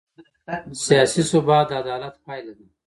سیاسي ثبات د عدالت پایله ده